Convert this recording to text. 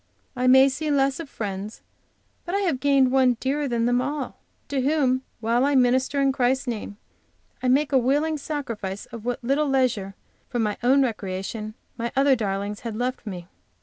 I may see less of friends, but I have gained one dearer than them all, to whom, while I minister in Christ's name, I make a willing sacrifice of what little leisure for my own recreation my other darlings had left me.